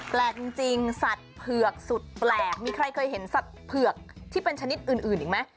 แปลกจริงสัตว์เผือกสุดแปลกมีใครเคยเห็นสัตว์เผือกที่เป็นชนิดอื่นอีกไหม